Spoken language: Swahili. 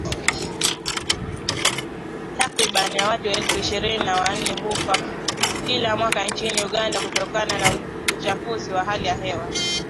Takriban watu elfu ishirini na wanane hufa kila mwaka nchini Uganda kutokana na uchafuzi wa hali ya hewa